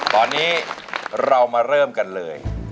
ตอนนี้เรามาเริ่มกันเลย